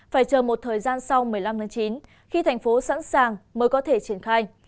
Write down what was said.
phải chờ một thời gian sau một mươi năm tháng chín khi thành phố sẵn sàng mới có thể triển khai